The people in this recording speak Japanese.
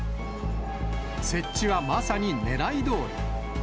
設置はまさにねらいどおり。